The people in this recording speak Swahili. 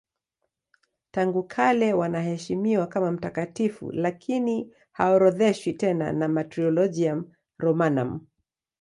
Tangu kale wanaheshimiwa kama mtakatifu lakini haorodheshwi tena na Martyrologium Romanum.